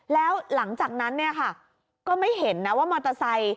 แล้วหลังจากนั้นก็ไม่เห็นว่ามอเตอร์ไซส์